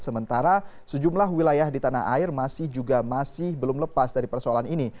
sementara sejumlah wilayah di tanah air masih juga masih belum lepas dari persoalan ini